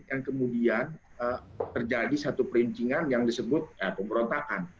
yang kemudian terjadi satu peruncingan yang disebut pemerontakan